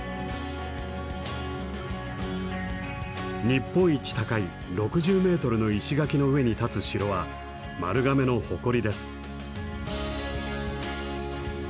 日本一高い６０メートルの石垣の上に立つ城は丸亀の誇りです。